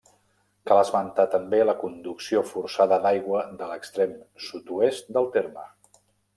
Cal esmentar també la conducció forçada d'aigua de l'extrem sud-oest del terme.